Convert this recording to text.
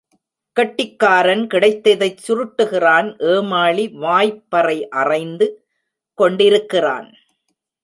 கெட்டிக்காரன் கிடைத்ததைச் சுருட்டுகிறான் ஏமாளி வாய்ப் பறை அறைந்து கொண்டிருக்கிறான்.